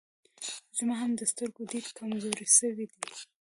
زما هم د سترګو ديد کمزوری سوی دی